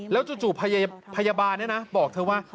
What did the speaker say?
แล้วจู่พยาบาลเนี่ยนะบอกเธอว่า